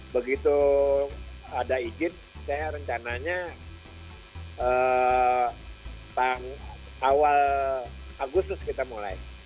begitu ada izin saya rencananya awal agustus kita mulai